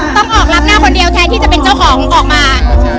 ต้องออกรับหน้าคนเดียวแทนที่จะเป็นเจ้าของออกมา